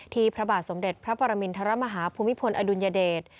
พระบาทสมเด็จพระปรมินทรมาฮาภูมิพลอดุลยเดช